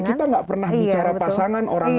kita tidak pernah bicara pasangan orang lain